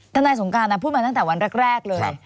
ทนายสงการพูดมาตั้งแต่วันแรกเลย